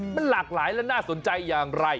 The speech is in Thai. มันหลากหลายและน่าสนใจอย่างไร